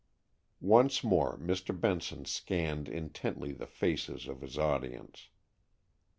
Once more Mr. Benson scanned intently the faces of his audience.